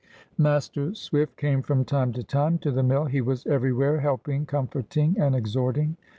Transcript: Master Swift came from time to time to the mill. He was everywhere, helping, comforting, and exhorting.